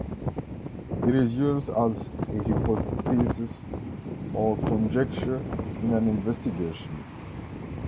It is used as a hypothesis or conjecture in an investigation.